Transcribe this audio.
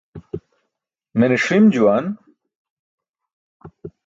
Mene ṣim juwan.